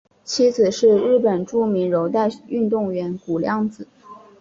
妻子是日本著名柔道运动员谷亮子。